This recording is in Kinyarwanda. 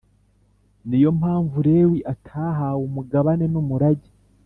Ni yo mpamvu Lewi atahawe umugabane n’umurage